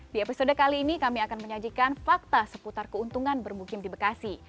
di episode kali ini kami akan menyajikan fakta seputar keuntungan bermukim di bekasi